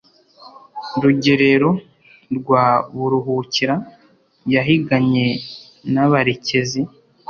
Rugerero rwa Buruhukira yahiganye n,abarekezi